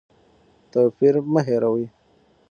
توپیر مه هېروئ.